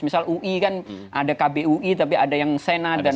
misal ui kan ada kbui tapi ada yang sena